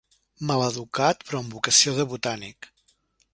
Maleducat però amb vocació de botànic.